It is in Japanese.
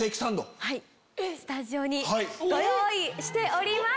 スタジオにご用意しております！